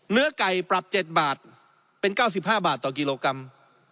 เนื้อไก่ปรับ๗บาทเป็น๙๕บาทต่อกิโลกรัม